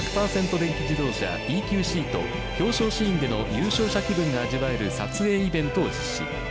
電気自動車ＥＱＣと表彰シーンでの優勝者気分が味わえる撮影イベントを実施。